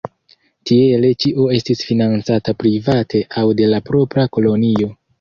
Tiele ĉio estis financata private aŭ de la propra kolonio.